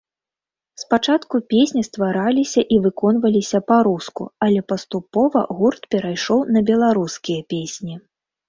Спачатку песні ствараліся і выконваліся па-руску, але паступова гурт перайшоў на беларускія песні.